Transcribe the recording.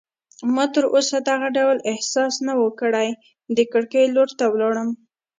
ما تراوسه دغه ډول احساس نه و کړی، د کړکۍ لور ته ولاړم.